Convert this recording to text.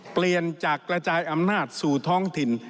เปลี่ยนจากกระจายอำนาจสู่ท้องถิ่น